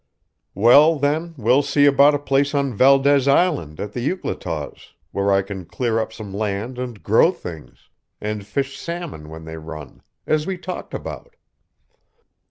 "Well, then, we'll see about a place on Valdez Island at the Euclataws, where I can clear up some land and grow things, and fish salmon when they run, as we talked about."